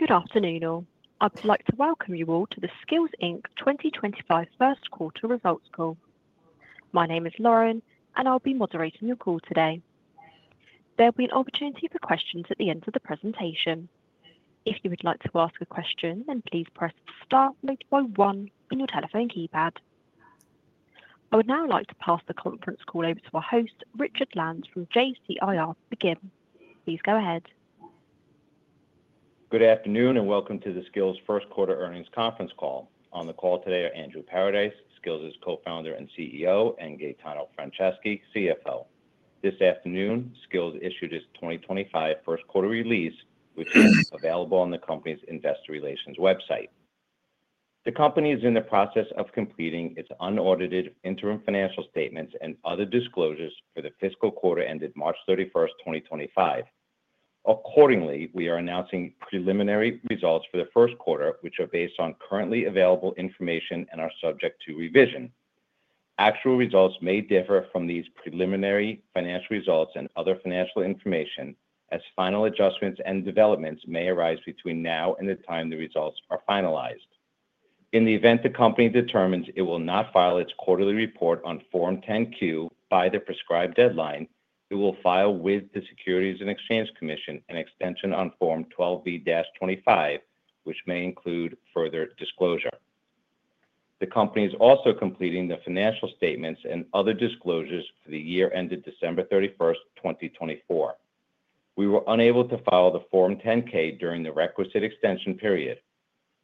Good afternoon. I'd like to welcome you all to the Skillz 2025 First Quarter Results Call. My name is Lauren, and I'll be moderating your call today. There'll be an opportunity for questions at the end of the presentation. If you would like to ask a question, then please press star followed by one on your telephone keypad. I would now like to pass the conference call over to our host, Richard Land from JCIR, to begin. Please go ahead. Good afternoon and welcome to the Skillz First Quarter Earnings Conference Call. On the call today are Andrew Paradise, Skillz' co-founder and CEO, and Gaetano Franceschi, CFO. This afternoon, Skillz issued its 2025 First Quarter release, which is available on the company's Investor Relations website. The company is in the process of completing its unaudited interim financial statements and other disclosures for the fiscal quarter ended March 31st, 2025. Accordingly, we are announcing preliminary results for the first quarter, which are based on currently available information and are subject to revision. Actual results may differ from these preliminary financial results and other financial information, as final adjustments and developments may arise between now and the time the results are finalized. In the event the company determines it will not file its quarterly report on Form 10Q by the prescribed deadline, it will file with the SEC an extension on Form 12B-25, which may include further disclosure. The company is also completing the financial statements and other disclosures for the year ended December 31, 2024. We were unable to file the Form 10K during the requisite extension period.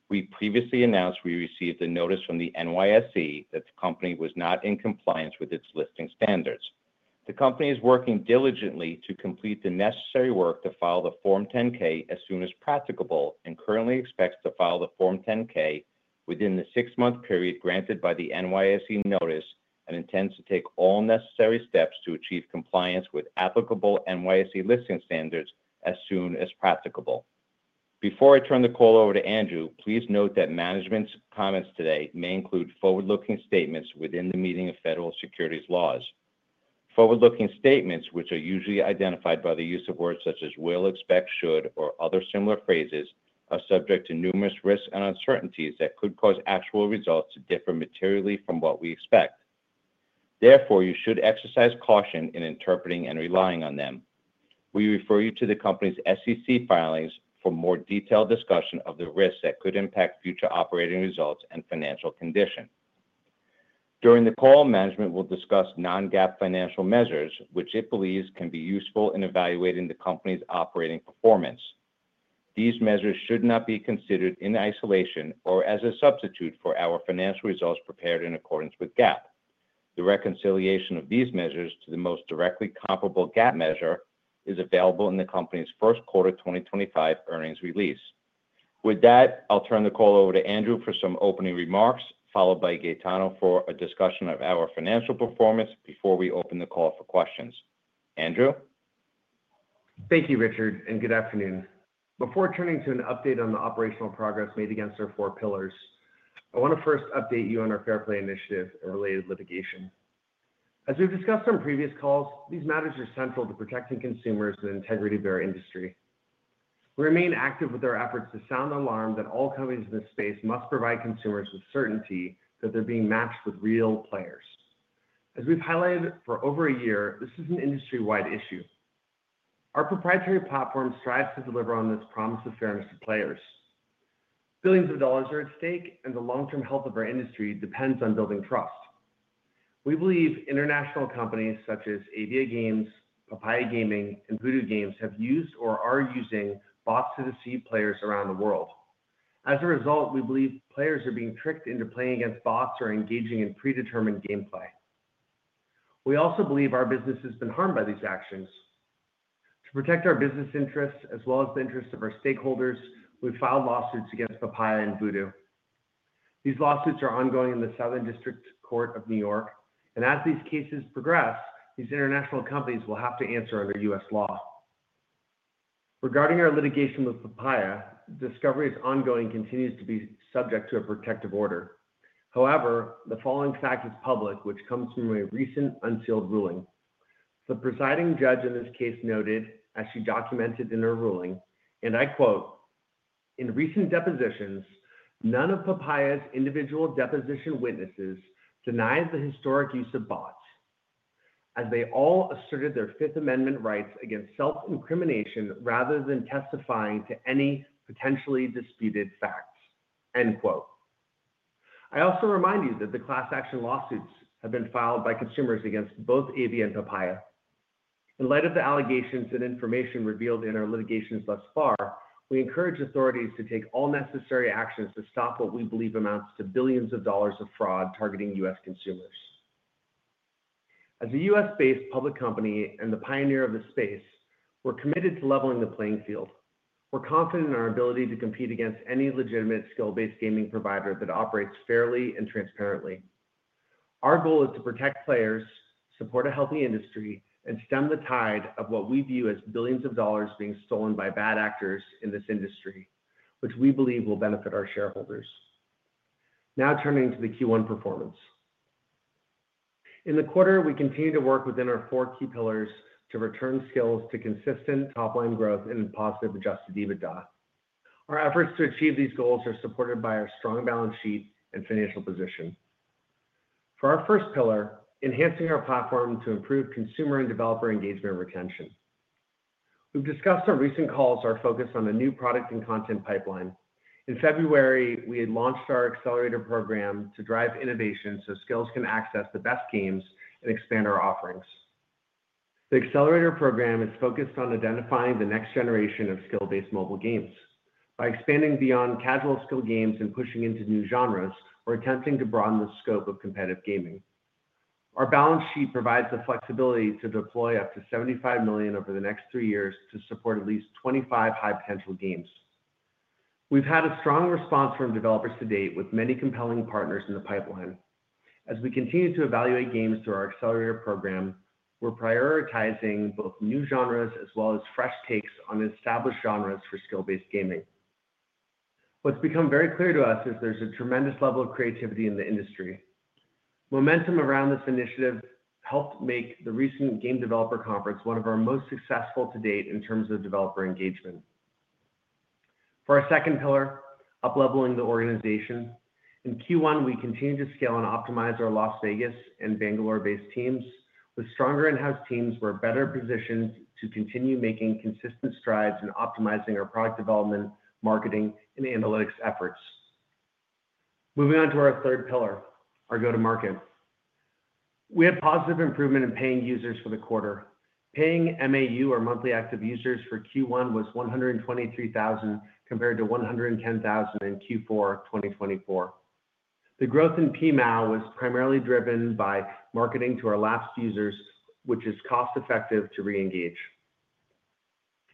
We previously announced we received a notice from the NYSE that the company was not in compliance with its listing standards. The company is working diligently to complete the necessary work to file the Form 10K as soon as practicable and currently expects to file the Form 10K within the six-month period granted by the NYSE notice and intends to take all necessary steps to achieve compliance with applicable NYSE listing standards as soon as practicable. Before I turn the call over to Andrew, please note that management's comments today may include forward-looking statements within the meaning of federal securities laws. Forward-looking statements, which are usually identified by the use of words such as will, expect, should, or other similar phrases, are subject to numerous risks and uncertainties that could cause actual results to differ materially from what we expect. Therefore, you should exercise caution in interpreting and relying on them. We refer you to the company's SEC filings for more detailed discussion of the risks that could impact future operating results and financial condition. During the call, management will discuss non-GAAP financial measures, which it believes can be useful in evaluating the company's operating performance. These measures should not be considered in isolation or as a substitute for our financial results prepared in accordance with GAAP. The reconciliation of these measures to the most directly comparable GAAP measure is available in the company's First Quarter 2025 earnings release. With that, I'll turn the call over to Andrew for some opening remarks, followed by Gaetano for a discussion of our financial performance before we open the call for questions. Andrew? Thank you, Richard, and good afternoon. Before turning to an update on the operational progress made against our four pillars, I want to first update you on our Fair Play Initiative and related litigation. As we've discussed on previous calls, these matters are central to protecting consumers and the integrity of our industry. We remain active with our efforts to sound the alarm that all companies in this space must provide consumers with certainty that they're being matched with real players. As we've highlighted for over a year, this is an industry-wide issue. Our proprietary platform strives to deliver on this promise of fairness to players. Billions of dollars are at stake, and the long-term health of our industry depends on building trust. We believe international companies such as ABA Games, Papaya Gaming, and Voodoo Games have used or are using bots to deceive players around the world. As a result, we believe players are being tricked into playing against bots or engaging in predetermined gameplay. We also believe our business has been harmed by these actions. To protect our business interests as well as the interests of our stakeholders, we filed lawsuits against Papaya and Voodoo. These lawsuits are ongoing in the Southern District Court of New York, and as these cases progress, these international companies will have to answer under U.S. law. Regarding our litigation with Papaya, the discovery is ongoing and continues to be subject to a protective order. However, the following fact is public, which comes from a recent unsealed ruling. The presiding judge in this case noted, as she documented in her ruling, and I quote, "In recent depositions, none of Papaya's individual deposition witnesses denied the historic use of bots, as they all asserted their Fifth Amendment rights against self-incrimination rather than testifying to any potentially disputed facts." I also remind you that the class action lawsuits have been filed by consumers against both ABA and Papaya. In light of the allegations and information revealed in our litigations thus far, we encourage authorities to take all necessary actions to stop what we believe amounts to billions of dollars of fraud targeting U.S. consumers. As a U.S.-based public company and the pioneer of the space, we're committed to leveling the playing field. We're confident in our ability to compete against any legitimate skill-based gaming provider that operates fairly and transparently. Our goal is to protect players, support a healthy industry, and stem the tide of what we view as billions of dollars being stolen by bad actors in this industry, which we believe will benefit our shareholders. Now turning to the Q1 performance. In the quarter, we continue to work within our four key pillars to return Skillz to consistent top-line growth and positive adjusted EBITDA. Our efforts to achieve these goals are supported by our strong balance sheet and financial position. For our first pillar, enhancing our platform to improve consumer and developer engagement retention. We've discussed our recent calls that are focused on a new product and content pipeline. In February, we had launched our Accelerator Program to drive innovation so Skillz can access the best games and expand our offerings. The Accelerator Program is focused on identifying the next generation of skill-based mobile games. By expanding beyond casual skill games and pushing into new genres, we're attempting to broaden the scope of competitive gaming. Our balance sheet provides the flexibility to deploy up to $75 million over the next three years to support at least 25 high-potential games. We've had a strong response from developers to date with many compelling partners in the pipeline. As we continue to evaluate games through our Accelerator Program, we're prioritizing both new genres as well as fresh takes on established genres for skill-based gaming. What's become very clear to us is there's a tremendous level of creativity in the industry. Momentum around this initiative helped make the recent Game Developer Conference one of our most successful to date in terms of developer engagement. For our second pillar, up-leveling the organization. In Q1, we continue to scale and optimize our Las Vegas and Bangalore-based teams. With stronger in-house teams, we're better positioned to continue making consistent strides in optimizing our product development, marketing, and analytics efforts. Moving on to our third pillar, our go-to-market. We had positive improvement in paying users for the quarter. Paying MAU, our monthly active users, for Q1 was 123,000 compared to 110,000 in Q4 2024. The growth in PMAU was primarily driven by marketing to our lapsed users, which is cost-effective to re-engage.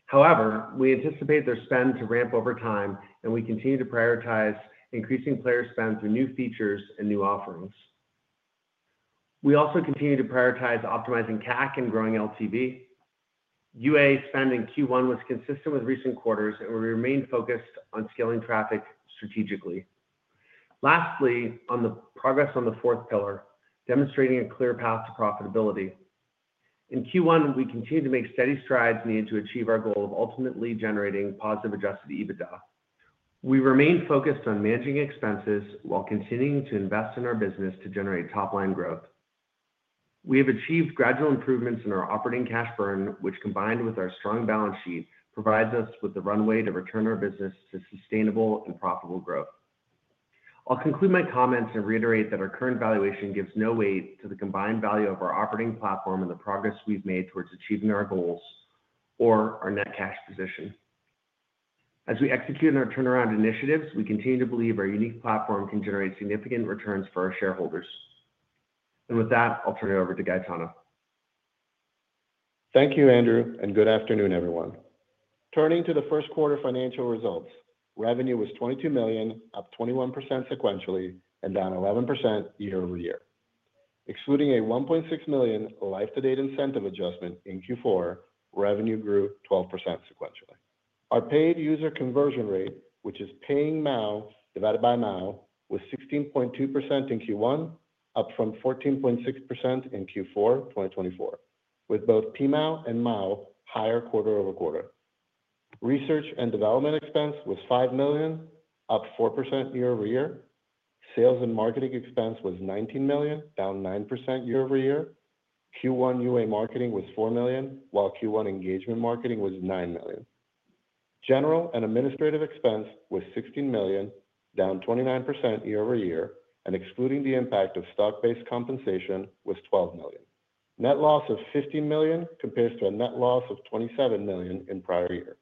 However, we anticipate their spend to ramp over time, and we continue to prioritize increasing player spend through new features and new offerings. We also continue to prioritize optimizing CAC and growing LTV. UA spend in Q1 was consistent with recent quarters, and we remained focused on scaling traffic strategically. Lastly, on the progress on the fourth pillar, demonstrating a clear path to profitability. In Q1, we continue to make steady strides needed to achieve our goal of ultimately generating positive adjusted EBITDA. We remain focused on managing expenses while continuing to invest in our business to generate top-line growth. We have achieved gradual improvements in our operating cash burn, which, combined with our strong balance sheet, provides us with the runway to return our business to sustainable and profitable growth. I will conclude my comments and reiterate that our current valuation gives no weight to the combined value of our operating platform and the progress we have made towards achieving our goals or our net cash position. As we execute on our turnaround initiatives, we continue to believe our unique platform can generate significant returns for our shareholders. With that, I will turn it over to Gaetano. Thank you, Andrew, and good afternoon, everyone. Turning to the first quarter financial results, revenue was $22 million, up 21% sequentially, and down 11% year over year. Excluding a $1.6 million life-to-date incentive adjustment in Q4, revenue grew 12% sequentially. Our paid user conversion rate, which is paying MAU divided by MAU, was 16.2% in Q1, up from 14.6% in Q4 2024, with both PMAU and MAU higher quarter over quarter. Research and development expense was $5 million, up 4% year over year. Sales and marketing expense was $19 million, down 9% year over year. Q1 UA marketing was $4 million, while Q1 engagement marketing was $9 million. General and administrative expense was $16 million, down 29% year over year, and excluding the impact of stock-based compensation, was $12 million. Net loss of $15 million compares to a net loss of $27 million in prior year.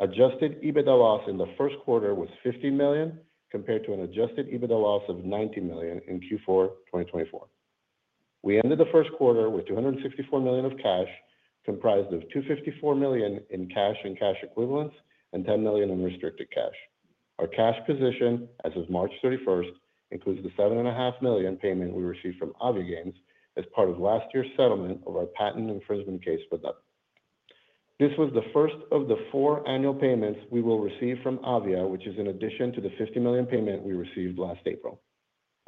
Adjusted EBITDA loss in the first quarter was $15 million compared to an adjusted EBITDA loss of $90 million in Q4 2024. We ended the first quarter with $264 million of cash, comprised of $254 million in cash and cash equivalents, and $10 million in restricted cash. Our cash position, as of March 31st, includes the $7.5 million payment we received from Avia Games as part of last year's settlement of our patent infringement case with them. This was the first of the four annual payments we will receive from Avia, which is in addition to the $50 million payment we received last April.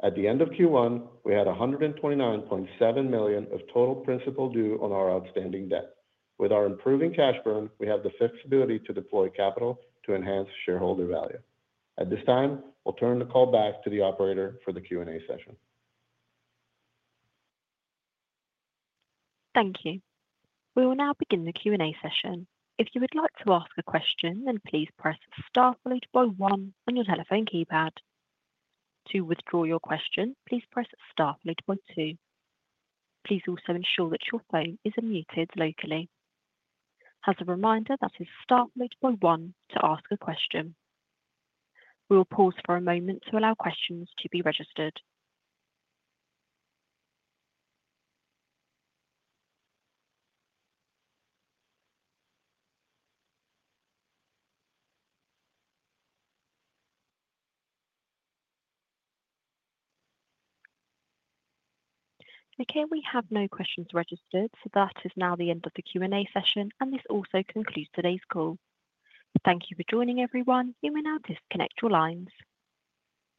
At the end of Q1, we had $129.7 million of total principal due on our outstanding debt. With our improving cash burn, we have the flexibility to deploy capital to enhance shareholder value. At this time, I'll turn the call back to the operator for the Q&A session. Thank you. We will now begin the Q&A session. If you would like to ask a question, then please press Star + 1 on your telephone keypad. To withdraw your question, please press Star + 2. Please also ensure that your phone is muted locally. As a reminder, that is Star + 1 to ask a question. We will pause for a moment to allow questions to be registered. Okay, we have no questions registered, so that is now the end of the Q&A session, and this also concludes today's call. Thank you for joining, everyone. You may now disconnect your lines.